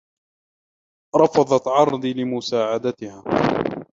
رفضت عرضي لمساعدتها.